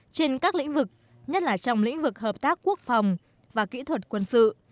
trên các lĩnh vực nhất là trong lĩnh vực hợp tác quốc phòng và kỹ thuật quân sự